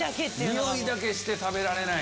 匂いだけして食べられない。